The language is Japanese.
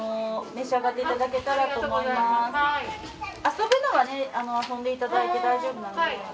遊ぶのはね遊んで頂いて大丈夫なので。